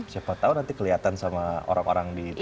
siapa tau nanti keliatan sama orang orang di tv